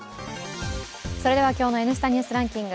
今日の「Ｎスタ・ニュースランキング」